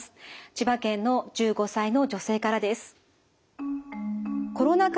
千葉県の１５歳の女性からです。